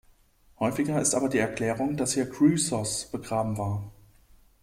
Häufiger aber ist die Erklärung, dass hier Chrysos begraben war.